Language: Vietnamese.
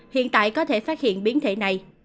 hiện tại có thể phát hiện biến thể này